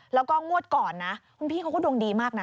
แล้วก็งวดก่อนนะคุณพี่เขาก็ดวงดีมากนะ